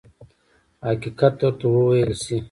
حقیقت ورته وویل شي.